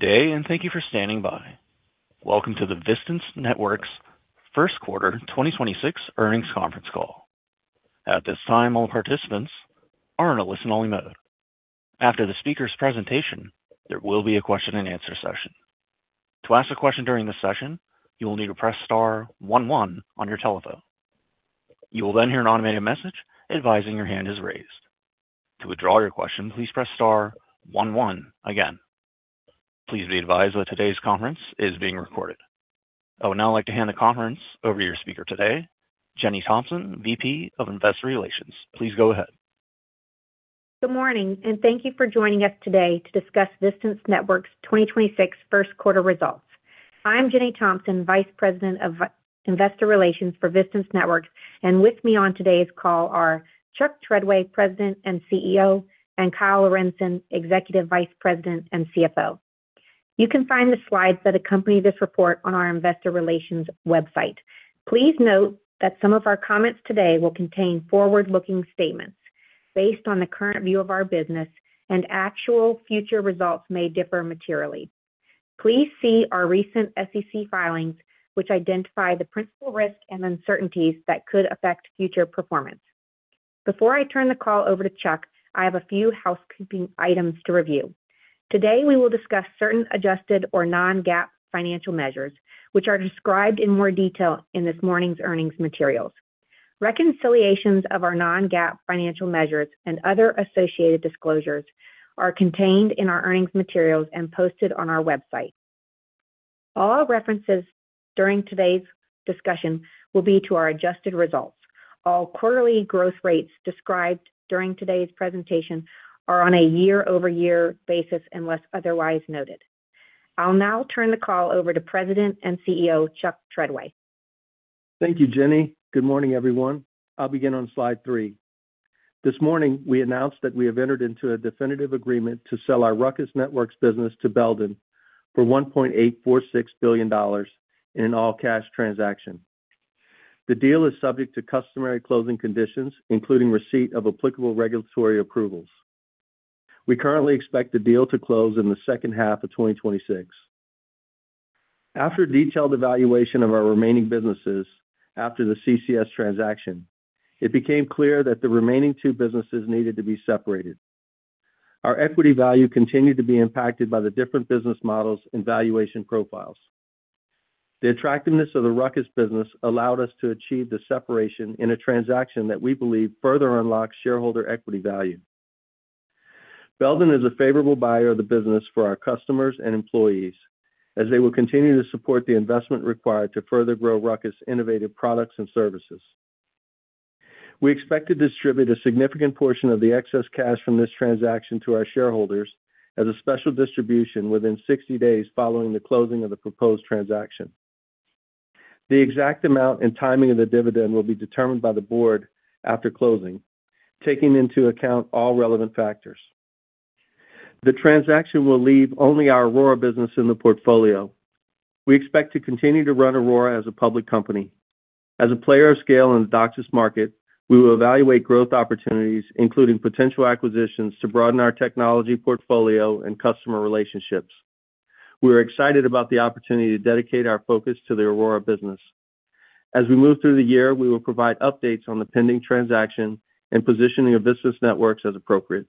Good day, and thank you for standing by. Welcome to the Vistance Networks first quarter 2026 earnings conference call. At this time, all participants are in a listen-only mode. After the speaker's presentation, there will be a question-and-answer session. To ask a question during this session, you will need to press star 11 on your telephone. You will then hear an automated message advising your hand is raised. To withdraw your question, please press star 11 again. Please be advised that today's conference is being recorded. I would now like to hand the conference over to your speaker today, Jenny Thompson, VP of Investor Relations. Please go ahead. Good morning, and thank you for joining us today to discuss Vistance Networks' 2026 first quarter results. I'm Jenny Thompson, Vice President of Investor Relations for Vistance Networks, and with me on today's call are Chuck Treadway, President and CEO, and Kyle Lorentzen, Executive Vice President and CFO. You can find the slides that accompany this report on our investor relations website. Please note that some of our comments today will contain forward-looking statements based on the current view of our business and actual future results may differ materially. Please see our recent SEC filings, which identify the principal risks and uncertainties that could affect future performance. Before I turn the call over to Chuck, I have a few housekeeping items to review. Today, we will discuss certain adjusted or non-GAAP financial measures, which are described in more detail in this morning's earnings materials. Reconciliations of our non-GAAP financial measures and other associated disclosures are contained in our earnings materials and posted on our website. All references during today's discussion will be to our adjusted results. All quarterly growth rates described during today's presentation are on a year-over-year basis, unless otherwise noted. I'll now turn the call over to President and CEO, Chuck Treadway. Thank you, Jenny. Good morning, everyone. I'll begin on slide three. This morning, we announced that we have entered into a definitive agreement to sell our RUCKUS Networks business to Belden for $1.846 billion in an all-cash transaction. The deal is subject to customary closing conditions, including receipt of applicable regulatory approvals. We currently expect the deal to close in the second half of 2026. After detailed evaluation of our remaining businesses after the CCS transaction, it became clear that the remaining two businesses needed to be separated. Our equity value continued to be impacted by the different business models and valuation profiles. The attractiveness of the RUCKUS business allowed us to achieve the separation in a transaction that we believe further unlocks shareholder equity value. Belden is a favorable buyer of the business for our customers and employees, as they will continue to support the investment required to further grow RUCKUS innovative products and services. We expect to distribute a significant portion of the excess cash from this transaction to our shareholders as a special distribution within 60 days following the closing of the proposed transaction. The exact amount and timing of the dividend will be determined by the board after closing, taking into account all relevant factors. The transaction will leave only our Aurora business in the portfolio. We expect to continue to run Aurora as a public company. As a player of scale in the DOCSIS market, we will evaluate growth opportunities, including potential acquisitions, to broaden our technology portfolio and customer relationships. We are excited about the opportunity to dedicate our focus to the Aurora business. As we move through the year, we will provide updates on the pending transaction and positioning of Vistance Networks as appropriate.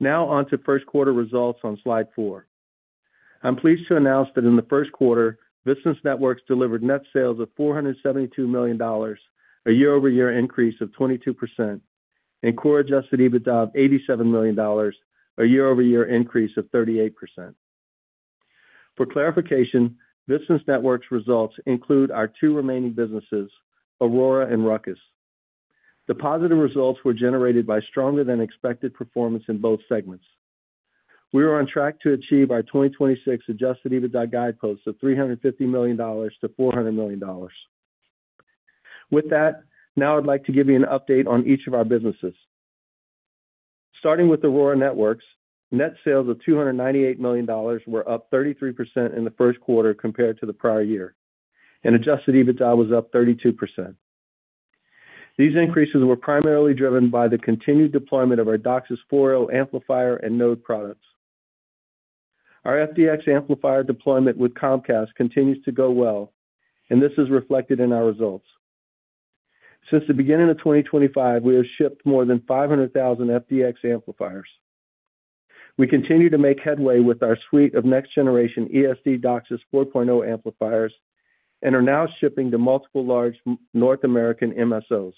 Now on to first quarter results on slide four. I'm pleased to announce that in the first quarter, Vistance Networks delivered net sales of $472 million, a year-over-year increase of 22%, and core adjusted EBITDA of $87 million, a year-over-year increase of 38%. For clarification, Vistance Networks results include our two remaining businesses, Aurora and RUCKUS. The positive results were generated by stronger than expected performance in both segments. We are on track to achieve our 2026 adjusted EBITDA guideposts of $350 million-$400 million. With that, now I'd like to give you an update on each of our businesses. Starting with Aurora Networks, net sales of $298 million were up 33% in the first quarter compared to the prior year, and adjusted EBITDA was up 32%. These increases were primarily driven by the continued deployment of our DOCSIS 4.0 amplifier and node products. Our FDX amplifier deployment with Comcast continues to go well, and this is reflected in our results. Since the beginning of 2025, we have shipped more than 500,000 FDX amplifiers. We continue to make headway with our suite of next generation ESD DOCSIS 4.0 amplifiers and are now shipping to multiple large North American MSOs.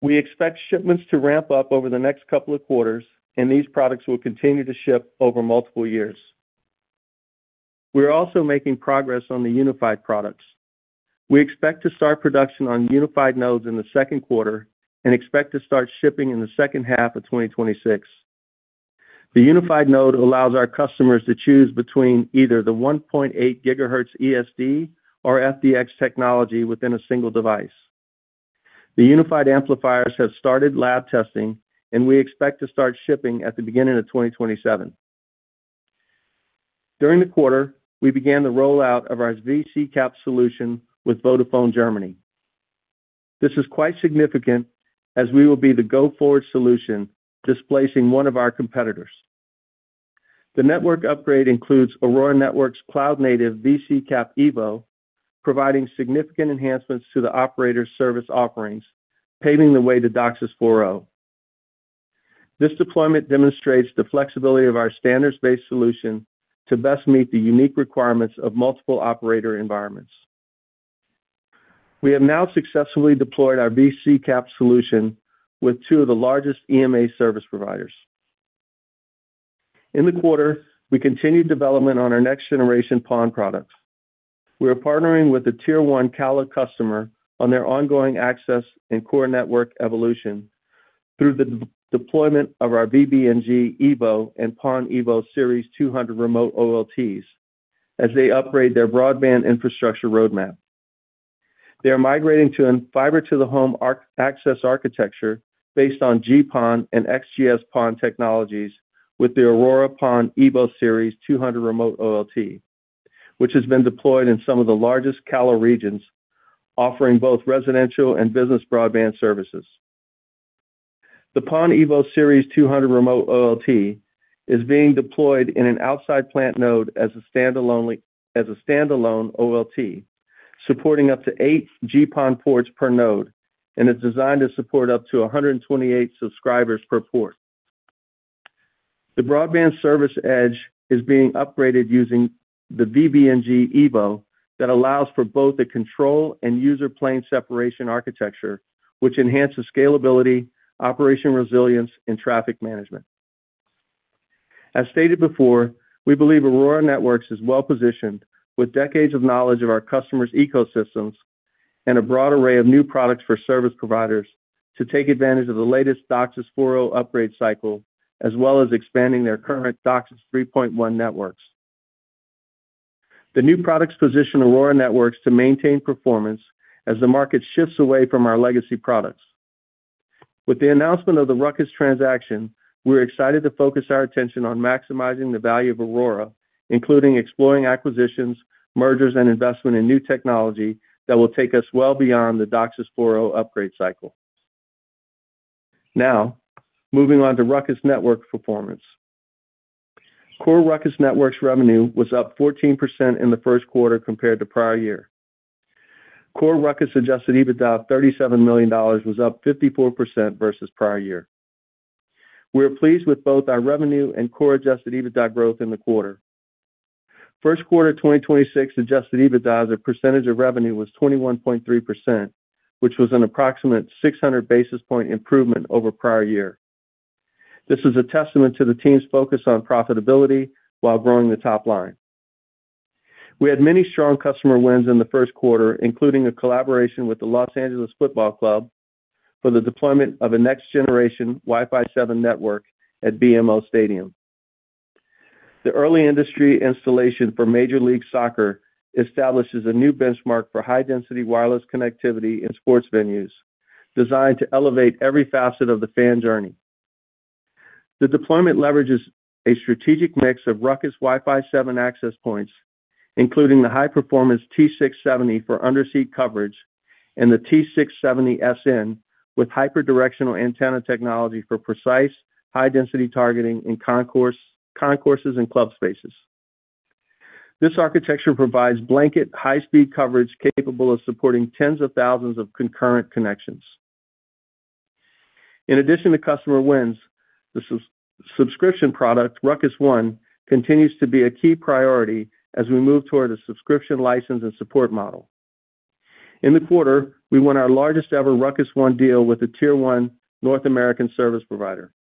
We expect shipments to ramp up over the next couple of quarters, and these products will continue to ship over multiple years. We are also making progress on the unified products. We expect to start production on unified nodes in the second quarter and expect to start shipping in the second half of 2026. The unified node allows our customers to choose between either the 1.8 GHz ESD or FDX technology within a single device. The unified amplifiers have started lab testing, and we expect to start shipping at the beginning of 2027. During the quarter, we began the rollout of our vCCAP solution with Vodafone Germany. This is quite significant as we will be the go forward solution, displacing one of our competitors. The network upgrade includes Aurora Networks cloud native vCCAP Evo, providing significant enhancements to the operator service offerings, paving the way to DOCSIS 4.0. This deployment demonstrates the flexibility of our standards-based solution to best meet the unique requirements of multiple operator environments. We have now successfully deployed our vCCAP solution with two of the largest EMEA service providers. In the quarter, we continued development on our next generation PON products. We are partnering with the tier 1 CALA customer on their ongoing access and core network evolution through the deployment of our vBNG Evo and PON Evo Series 200 remote OLTs as they upgrade their broadband infrastructure roadmap. They are migrating to a fiber to the home access architecture based on GPON and XGS-PON technologies with the Aurora PON Evo Series 200 remote OLT, which has been deployed in some of the largest CALA regions, offering both residential and business broadband services. The PON Evo Series 200 remote OLT is being deployed in an outside plant node as a standalone OLT, supporting up to eight GPON ports per node and is designed to support up to 128 subscribers per port. The broadband service edge is being upgraded using the vBNG Evo that allows for both the control and user plane separation architecture, which enhances scalability, operation resilience and traffic management. As stated before, we believe Aurora Networks is well-positioned with decades of knowledge of our customers' ecosystems and a broad array of new products for service providers to take advantage of the latest DOCSIS 4.0 upgrade cycle, as well as expanding their current DOCSIS 3.1 networks. The new products position Aurora Networks to maintain performance as the market shifts away from our legacy products. With the announcement of the RUCKUS transaction, we're excited to focus our attention on maximizing the value of Aurora, including exploring acquisitions, mergers, and investment in new technology that will take us well beyond the DOCSIS 4.0 upgrade cycle. Moving on to RUCKUS network performance. Core RUCKUS Networks revenue was up 14% in the first quarter compared to prior year. Core RUCKUS adjusted EBITDA of $37 million was up 54% versus prior year. We are pleased with both our revenue and core adjusted EBITDA growth in the quarter. First quarter, 2026 adjusted EBITDA as a percentage of revenue was 21.3%, which was an approximate 600 basis point improvement over prior year. This is a testament to the team's focus on profitability while growing the top line. We had many strong customer wins in the first quarter, including a collaboration with the Los Angeles Football Club for the deployment of a next generation Wi-Fi 7 network at BMO Stadium. The early industry installation for Major League Soccer establishes a new benchmark for high-density wireless connectivity in sports venues designed to elevate every facet of the fan journey. The deployment leverages a strategic mix of RUCKUS Wi-Fi 7 access points, including the high-performance T670 for underseat coverage and the T670SN with hyper directional antenna technology for precise high-density targeting in concourses and club spaces. This architecture provides blanket high-speed coverage capable of supporting tens of thousands of concurrent connections. In addition to customer wins, the subscription product, RUCKUS One, continues to be a key priority as we move toward a subscription license and support model. In the quarter, we won our largest ever RUCKUS One deal with a tier 1 North American service provider.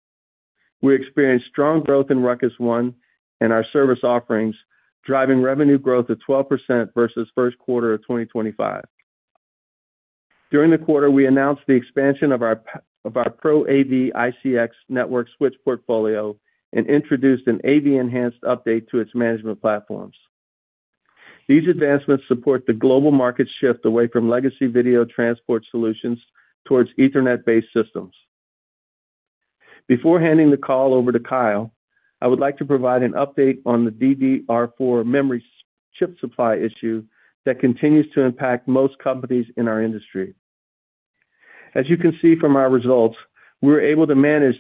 We experienced strong growth in RUCKUS One and our service offerings, driving revenue growth of 12% versus first quarter of 2025. During the quarter, we announced the expansion of our of our Pro AV ICX network switch portfolio and introduced an AV enhanced update to its management platforms. These advancements support the global market shift away from legacy video transport solutions towards Ethernet-based systems. Before handing the call over to Kyle, I would like to provide an update on the DDR4 memory chip supply issue that continues to impact most companies in our industry. As you can see from our results, we were able to manage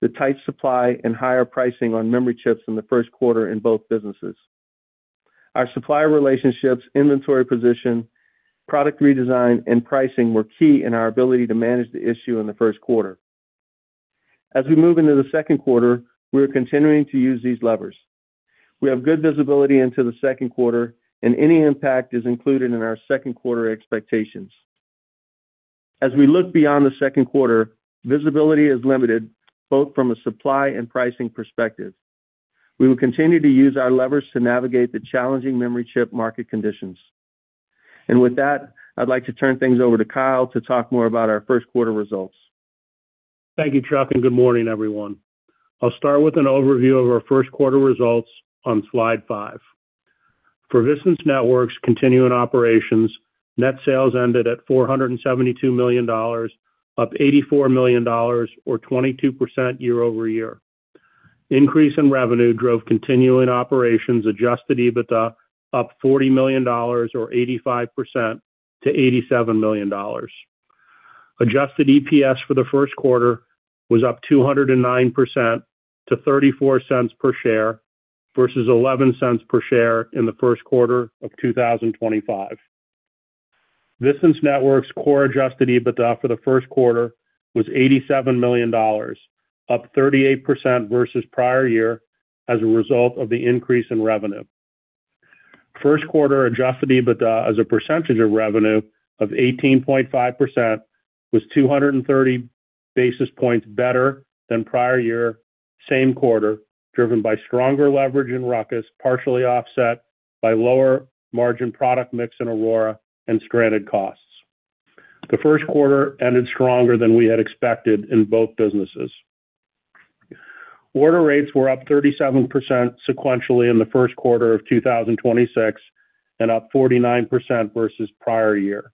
the tight supply and higher pricing on memory chips in the first quarter in both businesses. Our supplier relationships, inventory position, product redesign, and pricing were key in our ability to manage the issue in the first quarter. As we move into the second quarter, we are continuing to use these levers. We have good visibility into the second quarter and any impact is included in our second quarter expectations. As we look beyond the second quarter, visibility is limited, both from a supply and pricing perspective. We will continue to use our levers to navigate the challenging memory chip market conditions. With that, I'd like to turn things over to Kyle to talk more about our first quarter results. Thank you, Chuck. Good morning, everyone. I'll start with an overview of our first quarter results on slide five. For Vistance Networks continuing operations, net sales ended at $472 million, up $84 million or 22% year-over-year. Increase in revenue drove continuing operations adjusted EBITDA up $40 million or 85% to $87 million. Adjusted EPS for the first quarter was up 209% to $0.34 per share versus $0.11 per share in the first quarter of 2025. Vistance Networks core adjusted EBITDA for the first quarter was $87 million, up 38% versus prior year as a result of the increase in revenue. First quarter adjusted EBITDA as a percentage of revenue of 18.5% was 230 basis points better than prior year, same quarter, driven by stronger leverage in RUCKUS, partially offset by lower margin product mix in Aurora and stranded costs. The first quarter ended stronger than we had expected in both businesses. Order rates were up 37% sequentially in the first quarter of 2026, and up 49% versus prior year.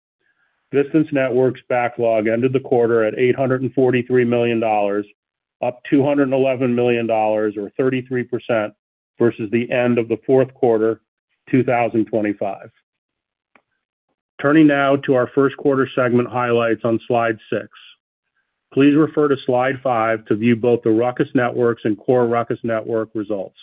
Vistance Networks' backlog ended the quarter at $843 million, up $211 million or 33% versus the end of the fourth quarter 2025. Turning now to our first quarter segment highlights on slide six. Please refer to slide five to view both the RUCKUS Networks and Core RUCKUS Network results.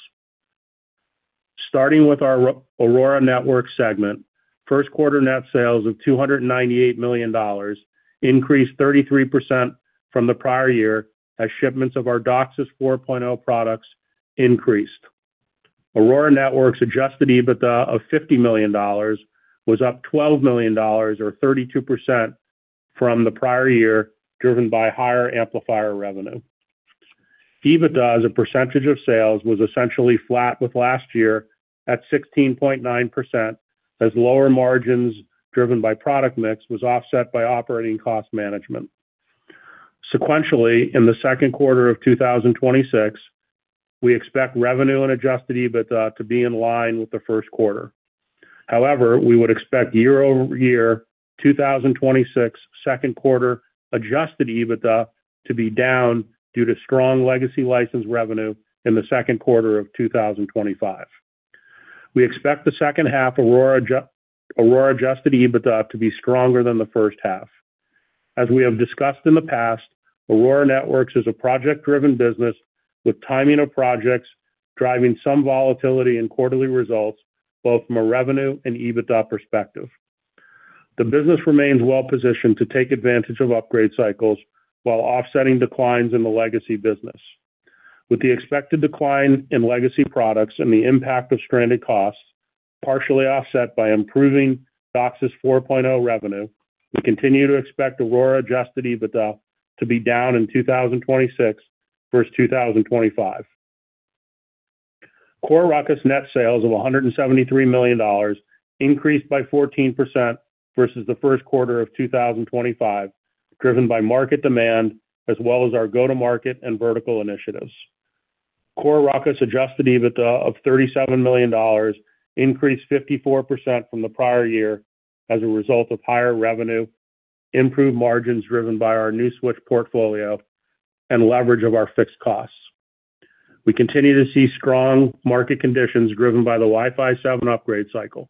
Starting with our Aurora Network segment, first quarter net sales of $298 million increased 33% from the prior year as shipments of our DOCSIS 4.0 products increased. Aurora Networks adjusted EBITDA of $50 million was up $12 million or 32% from the prior year, driven by higher amplifier revenue. EBITDA as a percentage of sales was essentially flat with last year at 16.9%, as lower margins driven by product mix was offset by operating cost management. Sequentially, in the second quarter of 2026, we expect revenue and adjusted EBITDA to be in line with the first quarter. We would expect year-over-year 2026 second quarter adjusted EBITDA to be down due to strong legacy license revenue in the second quarter of 2025. We expect the second half Aurora adjusted EBITDA to be stronger than the first half. As we have discussed in the past, Aurora Networks is a project-driven business with timing of projects driving some volatility in quarterly results, both from a revenue and EBITDA perspective. The business remains well-positioned to take advantage of upgrade cycles while offsetting declines in the legacy business. With the expected decline in legacy products and the impact of stranded costs, partially offset by improving DOCSIS 4.0 revenue, we continue to expect Aurora adjusted EBITDA to be down in 2026 versus 2025. Core RUCKUS net sales of $173 million increased by 14% versus the first quarter of 2025, driven by market demand as well as our go-to-market and vertical initiatives. Core RUCKUS adjusted EBITDA of $37 million increased 54% from the prior year as a result of higher revenue, improved margins driven by our new switch portfolio, and leverage of our fixed costs. We continue to see strong market conditions driven by the Wi-Fi 7 upgrade cycle.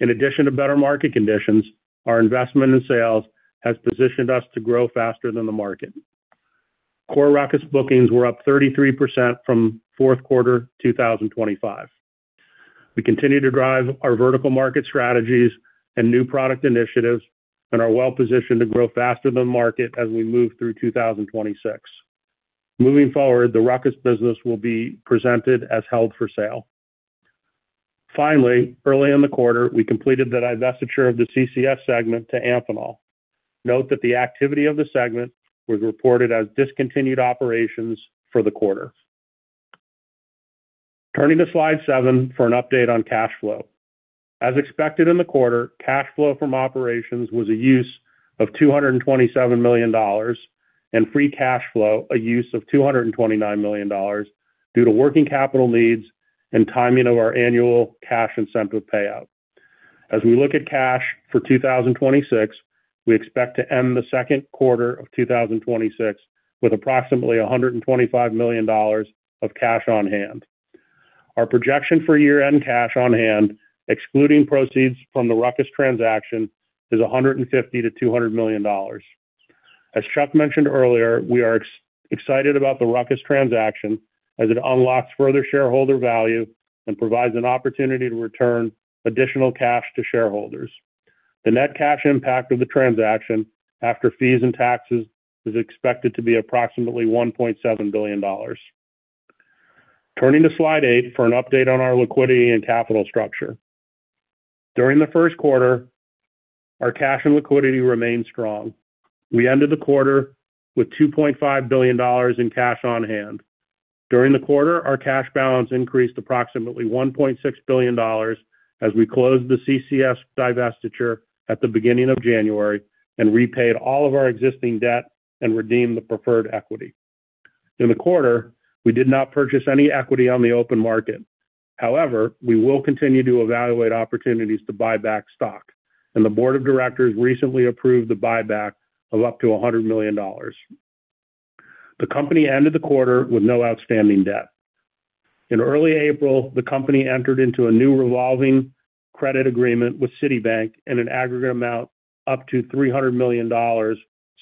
In addition to better market conditions, our investment in sales has positioned us to grow faster than the market. Core RUCKUS bookings were up 33% from Q4 2025. We continue to drive our vertical market strategies and new product initiatives and are well-positioned to grow faster than market as we move through 2026. Moving forward, the RUCKUS business will be presented as held for sale. Early in the quarter, we completed the divestiture of the CCS segment to Amphenol. Note that the activity of the segment was reported as discontinued operations for the quarter. Turning to slide seven for an update on cash flow. As expected in the quarter, cash flow from operations was a use of $227 million, and free cash flow a use of $229 million due to working capital needs and timing of our annual cash incentive payout. As we look at cash for 2026, we expect to end the second quarter of 2026 with approximately $125 million of cash on hand. Our projection for year-end cash on hand, excluding proceeds from the RUCKUS transaction, is $150 million-$200 million. As Chuck mentioned earlier, we are excited about the RUCKUS transaction as it unlocks further shareholder value and provides an opportunity to return additional cash to shareholders. The net cash impact of the transaction after fees and taxes is expected to be approximately $1.7 billion. Turning to slide 8 for an update on our liquidity and capital structure. During the first quarter, our cash and liquidity remained strong. We ended the quarter with $2.5 billion in cash on hand. During the quarter, our cash balance increased approximately $1.6 billion as we closed the CCS divestiture at the beginning of January and repaid all of our existing debt and redeemed the preferred equity. In the quarter, we did not purchase any equity on the open market. We will continue to evaluate opportunities to buy back stock, and the board of directors recently approved the buyback of up to $100 million. The company ended the quarter with no outstanding debt. In early April, the company entered into a new revolving credit agreement with Citibank in an aggregate amount up to $300 million,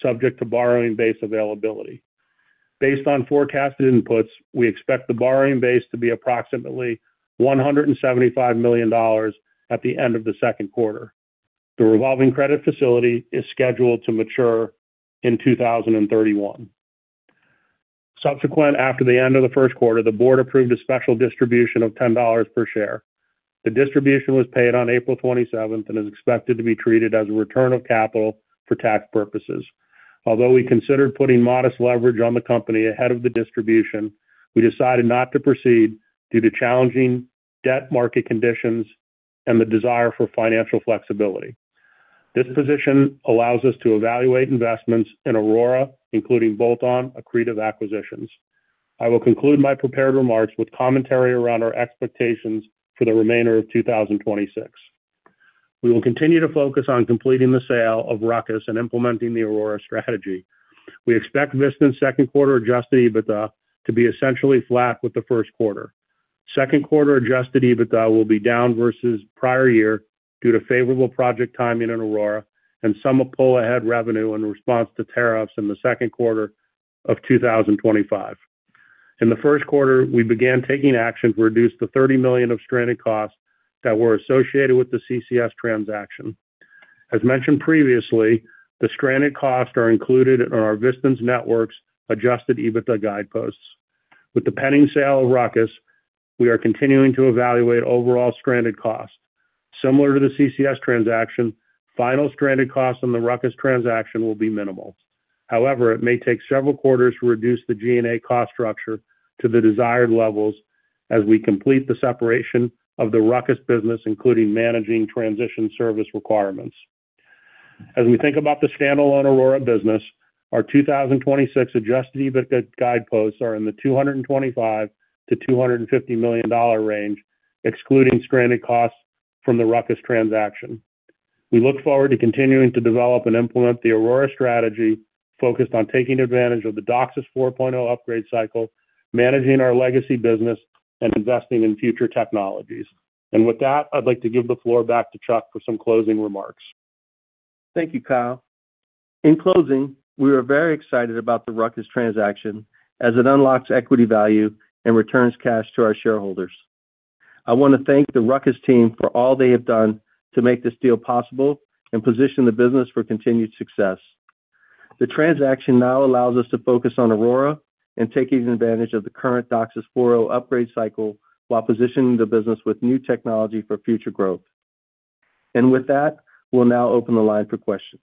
subject to borrowing base availability. Based on forecasted inputs, we expect the borrowing base to be approximately $175 million at the end of the second quarter. The revolving credit facility is scheduled to mature in 2031. Subsequent after the end of the first quarter, the board approved a special distribution of $10 per share. The distribution was paid on April 27th and is expected to be treated as a return of capital for tax purposes. Although we considered putting modest leverage on the company ahead of the distribution, we decided not to proceed due to challenging debt market conditions and the desire for financial flexibility. This position allows us to evaluate investments in Aurora, including bolt-on accretive acquisitions. I will conclude my prepared remarks with commentary around our expectations for the remainder of 2026. We will continue to focus on completing the sale of RUCKUS and implementing the Aurora strategy. We expect Vistance's second quarter adjusted EBITDA to be essentially flat with the first quarter. Second quarter adjusted EBITDA will be down versus prior year due to favorable project timing in Aurora and some pull-ahead revenue in response to tariffs in the second quarter of 2025. In the first quarter, we began taking action to reduce the 30 million of stranded costs that were associated with the CCS transaction. As mentioned previously, the stranded costs are included in our Vistance Networks' adjusted EBITDA guideposts. With the pending sale of RUCKUS, we are continuing to evaluate overall stranded costs. Similar to the CCS transaction, final stranded costs on the RUCKUS transaction will be minimal. However, it may take several quarters to reduce the G&A cost structure to the desired levels as we complete the separation of the RUCKUS business, including managing transition service requirements. As we think about the standalone Aurora business, our 2026 adjusted EBITDA guideposts are in the $225 million-$250 million range, excluding stranded costs from the RUCKUS transaction. We look forward to continuing to develop and implement the Aurora strategy focused on taking advantage of the DOCSIS 4.0 upgrade cycle, managing our legacy business, and investing in future technologies. With that, I'd like to give the floor back to Chuck for some closing remarks. Thank you, Kyle. In closing, we are very excited about the RUCKUS transaction as it unlocks equity value and returns cash to our shareholders. I want to thank the RUCKUS team for all they have done to make this deal possible and position the business for continued success. The transaction now allows us to focus on Aurora and taking advantage of the current DOCSIS 4.0 upgrade cycle while positioning the business with new technology for future growth. With that, we'll now open the line for questions.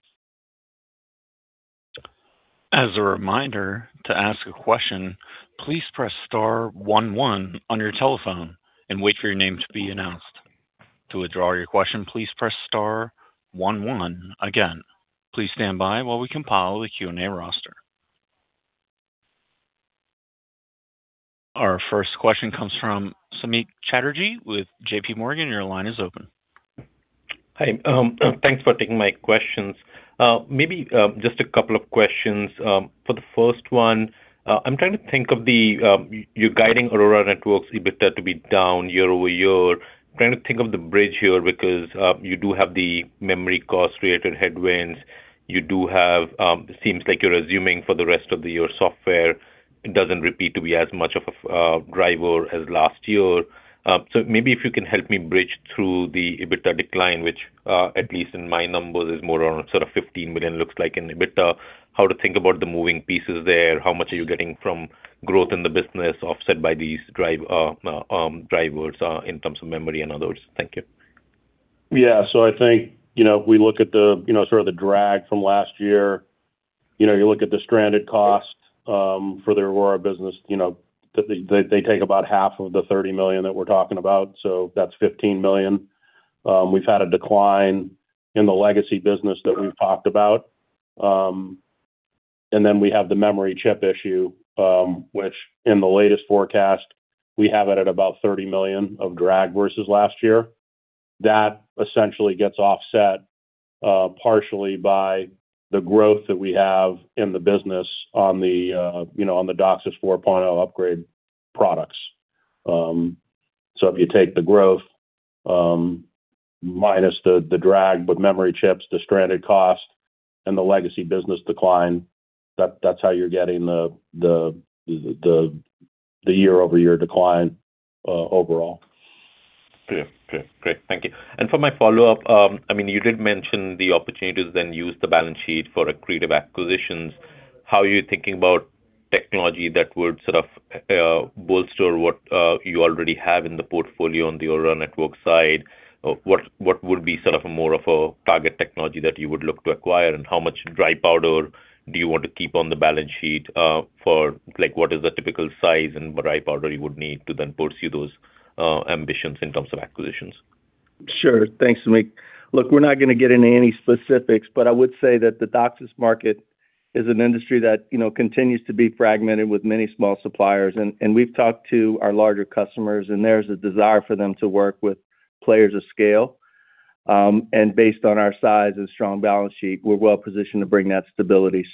Our first question comes from Samik Chatterjee with JPMorgan Chase & Co. Your line is open. Hi. Thanks for taking my questions. Maybe just a couple of questions. For the first one, I'm trying to think of the you guiding Aurora Networks EBITDA to be down year-over-year. Trying to think of the bridge here, because you do have the memory cost-related headwinds. You do have, seems like you're assuming for the rest of the year software doesn't repeat to be as much of a driver as last year. So maybe if you can help me bridge through the EBITDA decline, which at least in my numbers, is more on sort of $15 million, looks like in EBITDA. How to think about the moving pieces there. How much are you getting from growth in the business offset by these drivers in terms of memory and others? Thank you. I think, you know, if we look at the, you know, sort of the drag from last year, you know, you look at the stranded costs for the Aurora business, they take about half of the $30 million that we're talking about, so that's $15 million. We've had a decline in the legacy business that we've talked about. And then we have the memory chip issue, which in the latest forecast, we have it at about $30 million of drag versus last year. That essentially gets offset partially by the growth that we have in the business on the, you know, on the DOCSIS 4.0 upgrade products. If you take the growth, minus the drag with memory chips, the stranded cost, and the legacy business decline, that's how you're getting the year-over-year decline, overall. Okay. Okay, great. Thank you. For my follow-up, I mean, you did mention the opportunities then use the balance sheet for accretive acquisitions. How are you thinking about technology that would sort of bolster what you already have in the portfolio on the Aurora Networks side? Or what would be sort of more of a target technology that you would look to acquire, and how much dry powder do you want to keep on the balance sheet? For like what is the typical size and dry powder you would need to then pursue those ambitions in terms of acquisitions? Sure. Thanks, Samik. We're not gonna get into any specifics, but I would say that the DOCSIS market is an industry that, you know, continues to be fragmented with many small suppliers. We've talked to our larger customers, and there's a desire for them to work with players of scale. Based on our size and strong balance sheet, we're well-positioned to bring that stability.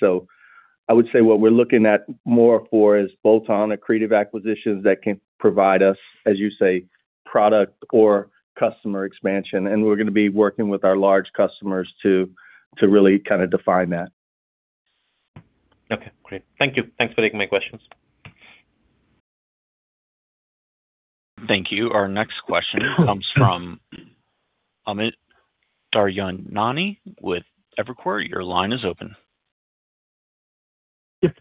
I would say what we're looking at more for is bolt-on accretive acquisitions that can provide us, as you say, product or customer expansion. We're gonna be working with our large customers to really kinda define that. Okay, great. Thank you. Thanks for taking my questions. Thank you. Our next question comes from Amit Daryanani with Evercore ISI. Your line is open. Yep.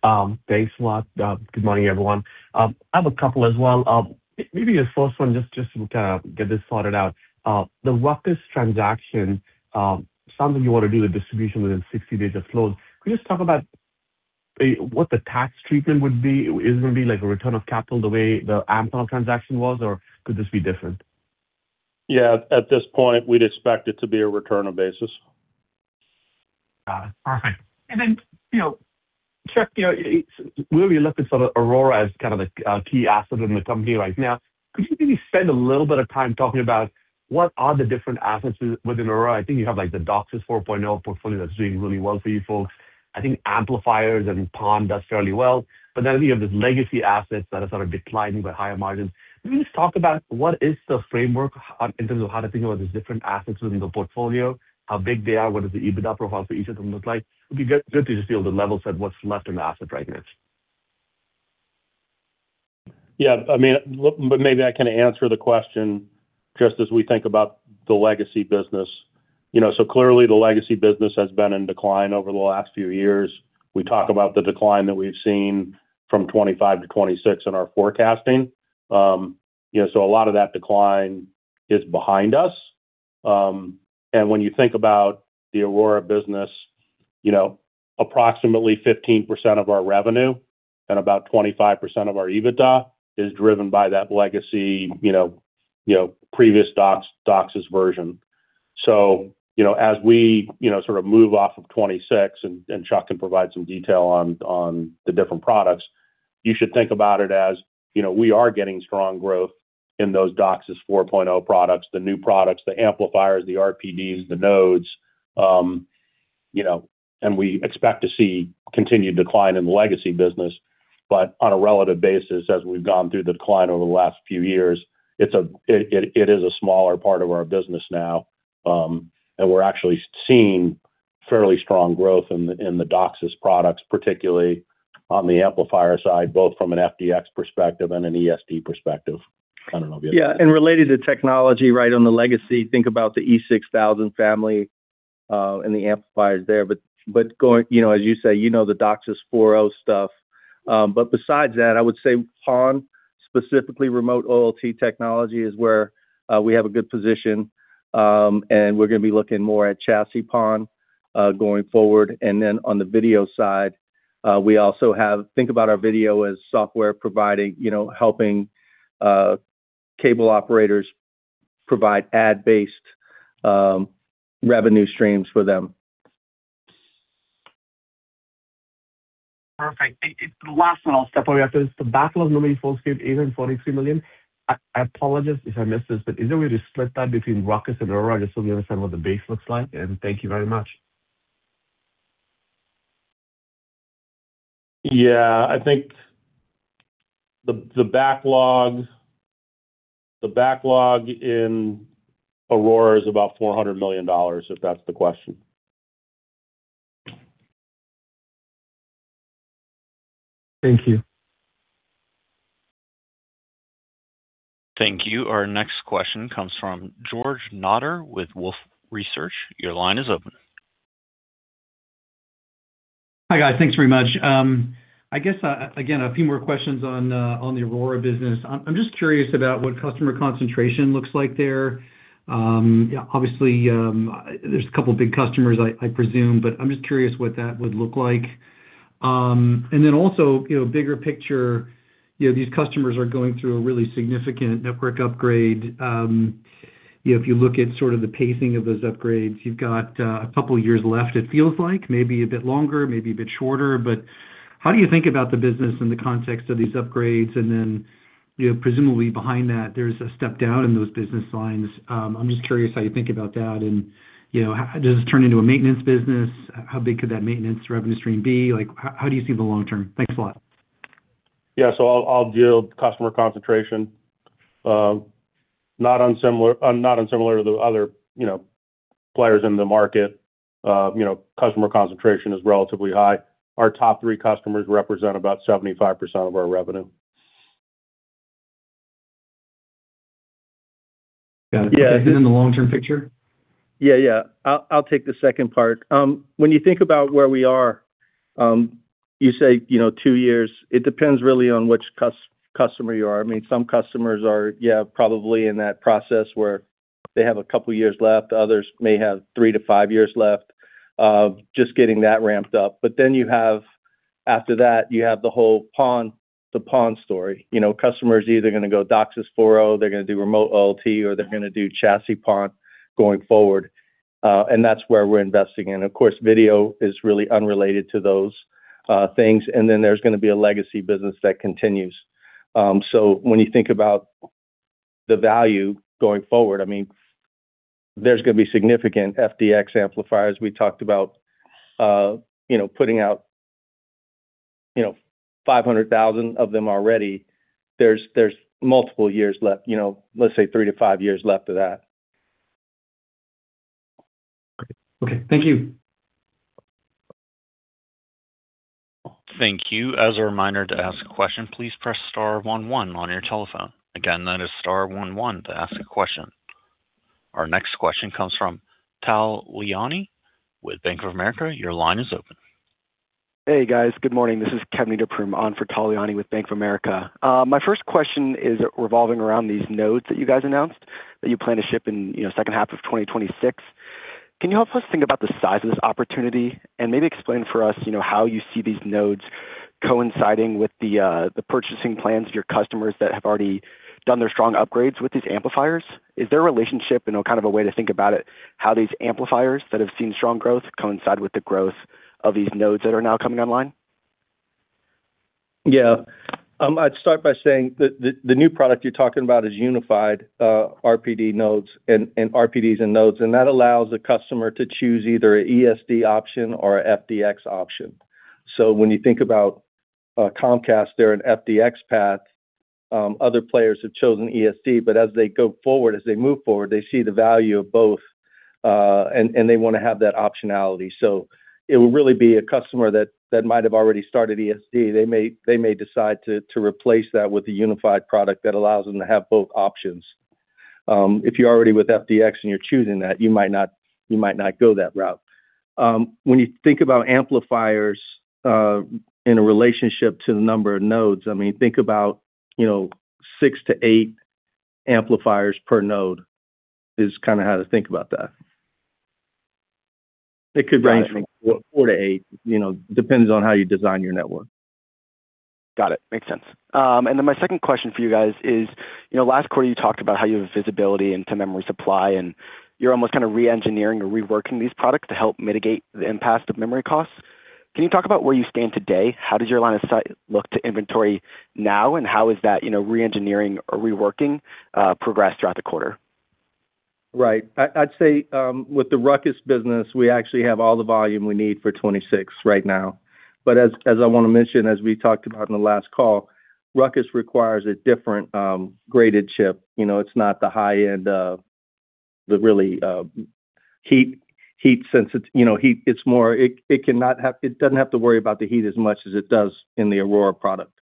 Thanks a lot. Good morning, everyone. I have a couple as well. Maybe the first one, just to kind of get this sorted out. The RUCKUS transaction, something you wanna do with distribution within 60 days of close. Can you just talk about what the tax treatment would be? Is it gonna be like a return of capital the way the Amphenol transaction was, or could this be different? At this point, we'd expect it to be a return on basis. Got it. Perfect. You know, Chuck, you know, we really look to sort of Aurora as kind of the key asset in the company right now. Could you maybe spend a little bit of time talking about what are the different assets within Aurora? I think you have, like, the DOCSIS 4.0 portfolio that's doing really well for you folks. I think amplifiers and PON does fairly well. You have these legacy assets that are sort of declining, but higher margins. Can you just talk about what is the framework in terms of how to think about these different assets within the portfolio, how big they are, what is the EBITDA profile for each of them look like? It'd be good to just be able to level set what's left in the asset right now. I mean, maybe I can answer the question just as we think about the legacy business. You know, clearly the legacy business has been in decline over the last few years. We talk about the decline that we've seen from 2025 to 2026 in our forecasting. You know, a lot of that decline is behind us. When you think about the Aurora business, you know, approximately 15% of our revenue and about 25% of our EBITDA is driven by that legacy, previous DOCSIS version. You know, as we, you know, sort of move off of 2026, and Chuck can provide some detail on the different products, you should think about it as, you know, we are getting strong growth in those DOCSIS 4.0 products, the new products, the amplifiers, the RPDs, the nodes. You know, we expect to see continued decline in the legacy business. On a relative basis, as we've gone through the decline over the last few years, it is a smaller part of our business now. Actually seeing fairly strong growth in the DOCSIS products, particularly on the amplifier side, both from an FDX perspective and an ESD perspective. I don't know if you have. Yeah, and related to technology, right on the legacy, think about the E6000 family and the amplifiers there. You know, as you say, you know the DOCSIS 4.0 stuff. Besides that, I would say PON, specifically remote OLT technology, is where we have a good position. We're gonna be looking more at chassis PON going forward. Then on the video side, we also have think about our video as software providing, you know, helping cable operators provide ad-based revenue streams for them. Perfect. Thank you. The last one, I'll step away after this. The backlog, normally full scale, even $43 million. I apologize if I missed this, but is there a way to split that between RUCKUS and Aurora, just so we understand what the base looks like? Thank you very much. Yeah. I think the backlog in Aurora is about $400 million, if that's the question. Thank you. Thank you. Our next question comes from George Notter with Wolfe Research. Hi, guys. Thanks very much. I guess, again, a few more questions on the Aurora business. I'm just curious about what customer concentration looks like there. Yeah, obviously, there's a couple of big customers, I presume, but I'm just curious what that would look like. Also, you know, bigger picture, you know, these customers are going through a really significant network upgrade. You know, if you look at sort of the pacing of those upgrades, you've got a couple of years left, it feels like, maybe a bit longer, maybe a bit shorter. How do you think about the business in the context of these upgrades? You know, presumably behind that, there's a step down in those business lines. I'm just curious how you think about that and, you know, how does this turn into a maintenance business? How big could that maintenance revenue stream be? Like, how do you see the long term? Thanks a lot. Yeah. I'll deal with customer concentration. Not unsimilar to the other, you know, players in the market. You know, customer concentration is relatively high. Our top three customers represent about 75% of our revenue. Got it. Yeah. The long-term picture? Yeah, yeah. I'll take the second part. When you think about where we are, you say, you know, two years. It depends really on which customer you are. I mean, some customers are, yeah, probably in that process where they have a couple of years left, others may have three to five years left. Just getting that ramped up. After that, you have the whole PON story. You know, customers either are going to go DOCSIS 4.0, they're going to do remote OLT, or they're going to do chassis PON going forward. That's where we're investing in. Of course, video is really unrelated to those things. There's going to be a legacy business that continues. When you think about the value going forward, I mean, there's going to be significant FDX amplifiers. We talked about, you know, putting out, you know, 500,000 of them already. There's multiple years left, you know, let's say three to five years left of that. Okay. Thank you. Thank you. As a reminder, to ask a question, please press star one one on your telephone. Again, that is star one one to ask a question. Our next question comes from Tal Liani with Bank of America. Your line is open. Hey, guys. Good morning. This is Kevin Niederpruem for Tal Liani with Bank of America. My first question is revolving around these nodes that you guys announced that you plan to ship in, you know, second half of 2026. Can you help us think about the size of this opportunity and maybe explain for us, you know, how you see these nodes coinciding with the purchasing plans of your customers that have already done their strong upgrades with these amplifiers? Is there a relationship, you know, kind of a way to think about it, how these amplifiers that have seen strong growth coincide with the growth of these nodes that are now coming online? I'd start by saying the, the new product you're talking about is unified RPD nodes and RPDs and nodes, and that allows the customer to choose either a ESD option or a FDX option. When you think about Comcast, they're an FDX path. Other players have chosen ESD, but as they go forward, as they move forward, they see the value of both, and they wanna have that optionality. It would really be a customer that might have already started ESD. They may decide to replace that with a unified product that allows them to have both options. If you're already with FDX and you're choosing that, you might not go that route. When you think about amplifiers, in a relationship to the number of nodes, I mean, think about, you know, six to eight amplifiers per node is kinda how to think about that. It could range from four to eight, you know, depends on how you design your network. Got it. Makes sense. My second question for you guys is, you know, last quarter you talked about how you have visibility into memory supply and you're almost kind of re-engineering or reworking these products to help mitigate the impact of memory costs. Can you talk about where you stand today? How does your line of sight look to inventory now, and how is that, you know, re-engineering or reworking progress throughout the quarter? Right. I'd say, with the RUCKUS business, we actually have all the volume we need for 2026 right now. As I wanna mention, as we talked about on the last call, RUCKUS requires a different graded chip. You know, it's not the high end of the really heat sensitive. You know, it doesn't have to worry about the heat as much as it does in the Aurora product.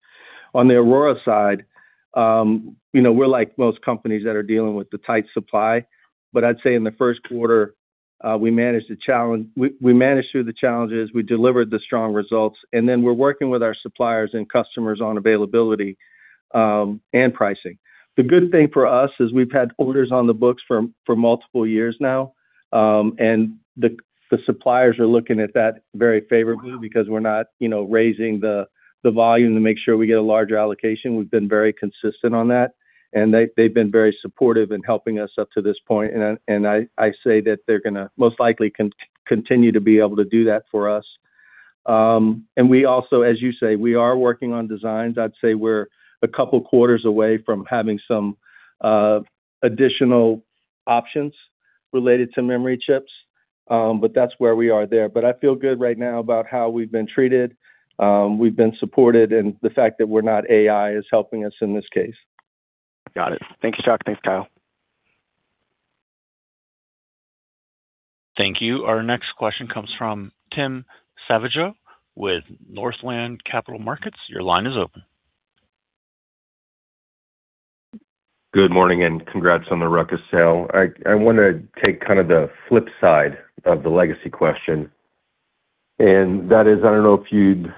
On the Aurora side, you know, we're like most companies that are dealing with the tight supply. I'd say in the first quarter, we managed through the challenges, we delivered the strong results, and then we're working with our suppliers and customers on availability and pricing. The good thing for us is we've had orders on the books for multiple years now. The suppliers are looking at that very favorably because we're not, you know, raising the volume to make sure we get a larger allocation. We've been very consistent on that, they've been very supportive in helping us up to this point. I say that they're gonna most likely continue to be able to do that for us. We also, as you say, we are working on designs. I'd say we're 2 quarters away from having some additional options related to memory chips. That's where we are there. I feel good right now about how we've been treated. We've been supported, the fact that we're not AI is helping us in this case. Got it. Thank you, Chuck. Thanks, Kyle. Thank you. Our next question comes from Timothy Savageaux with Northland Capital Markets. Good morning and congrats on the RUCKUS sale. I wanna take kind of the flip side of the legacy question, and that is, I don't know if you'd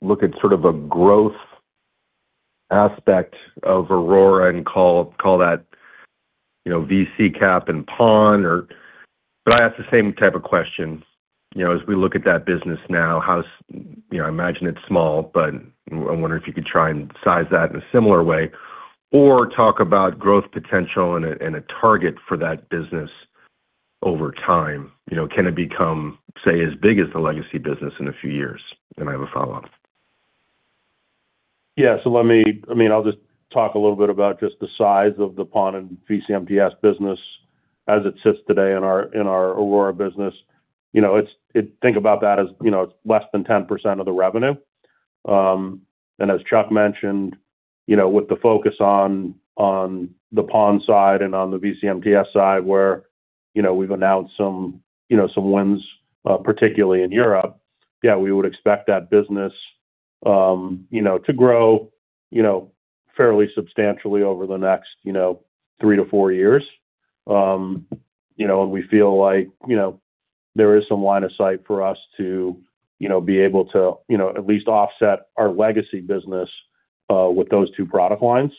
look at sort of a growth aspect of Aurora and call that, you know, vCCAP and PON or. I ask the same type of questions. You know, as we look at that business now, how's, you know, I imagine it's small, but I wonder if you could try and size that in a similar way or talk about growth potential and a target for that business over time. You know, can it become, say, as big as the legacy business in a few years? I have a follow-up. I mean, I'll just talk a little bit about just the size of the PON and vCMTS business as it sits today in our Aurora Networks business. You know, think about that as, you know, it's less than 10% of the revenue. As Chuck mentioned, you know, with the focus on the PON side and on the vCMTS side where, you know, we've announced some, you know, some wins, particularly in Europe. We would expect that business, you know, to grow, you know, fairly substantially over the next, you know, three to four years. You know, we feel like, you know, there is some line of sight for us to, you know, be able to, you know, at least offset our legacy business with those two product lines.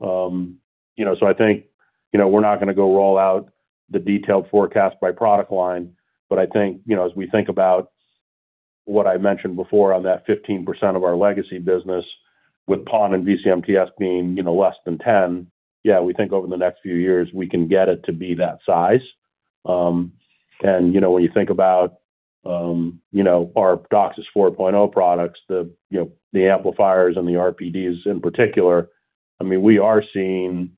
You know, I think, you know, we're not gonna go roll out the detailed forecast by product line. I think, you know, as we think about what I mentioned before on that 15% of our legacy business with PON and vCMTS being, you know, less than 10, yeah, we think over the next few years we can get it to be that size. You know, when you think about, you know, our DOCSIS 4.0 products, the, you know, the amplifiers and the RPDs in particular, I mean, we are seeing,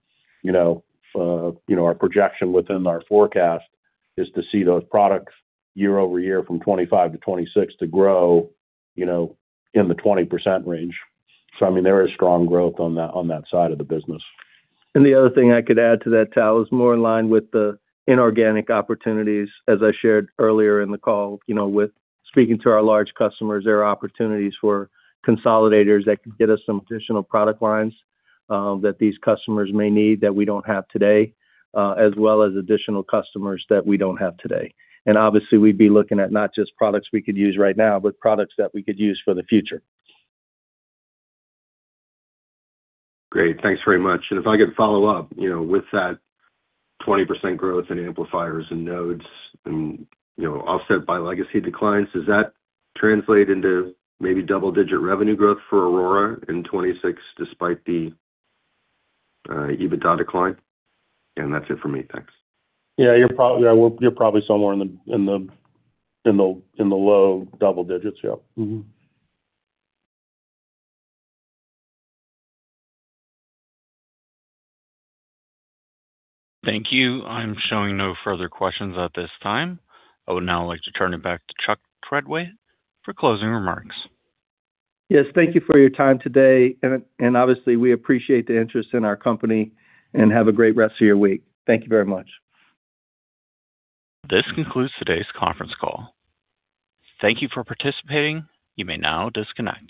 you know, you know, our projection within our forecast is to see those products year-over-year from 2025 to 2026 to grow, you know, in the 20% range. I mean, there is strong growth on that, on that side of the business. The other thing I could add to that, Tal, is more in line with the inorganic opportunities. As I shared earlier in the call, you know, with speaking to our large customers, there are opportunities for consolidators that could get us some additional product lines that these customers may need that we don't have today, as well as additional customers that we don't have today. Obviously, we'd be looking at not just products we could use right now, but products that we could use for the future. Great. Thanks very much. If I could follow up, you know, with that 20% growth in amplifiers and nodes and, you know, offset by legacy declines, does that translate into maybe double-digit revenue growth for Aurora in 2026 despite the EBITDA decline? That's it for me. Thanks. Yeah, you're probably somewhere in the low double digits. Yep. Thank you. I'm showing no further questions at this time. I would now like to turn it back to Chuck Treadway for closing remarks. Yes, thank you for your time today. Obviously, we appreciate the interest in our company. Have a great rest of your week. Thank you very much. This concludes today's conference call. Thank you for participating. You may now disconnect.